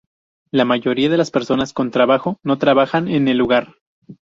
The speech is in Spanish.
La mayoría de las personas con un trabajo no trabajan en el lugar.